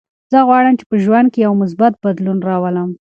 زه غواړم چې په ژوند کې یو مثبت بدلون راولم.